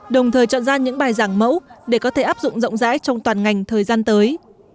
đồng thời chọn ra những bài giảng mẫu để có thể áp dụng rộng rãi trong toàn ngành thời gian tới